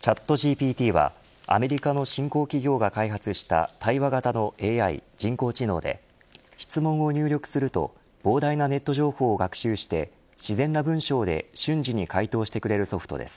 チャットＧＰＴはアメリカの新興企業が開発した対話型のＡＩ、人工知能で質問を入力すると膨大なネット情報を学習して自然な文章で瞬時に回答してくれるソフトです。